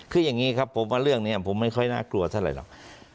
คืออย่างนี้ครับผมว่าเรื่องนี้ผมไม่ค่อยน่ากลัวเท่าไหร่หรอก